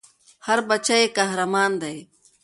هر بــچی ېي قـــهــــــــرمان دی